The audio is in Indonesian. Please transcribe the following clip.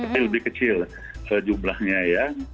lebih kecil jumlahnya ya